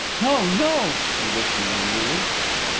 "No, no!" he whispered, angrily.